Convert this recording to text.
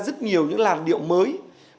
rất nhiều những làn điệu mới